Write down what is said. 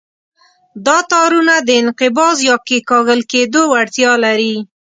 دا تارونه د انقباض یا کیکاږل کېدو وړتیا لري.